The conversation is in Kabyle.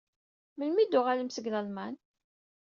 Melmi i d-tuɣalem seg Lalman?